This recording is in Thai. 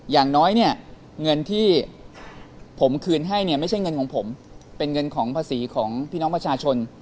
อย่างน้อยเนี่ยเงินที่ผมคืนให้เนี่ยไม่ใช่เงินของผมเป็นเงินของภาษีของพี่น้องประชาชน